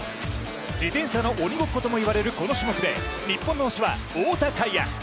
自転車の鬼ごっこともいわれるこの種目で日本は太田海也。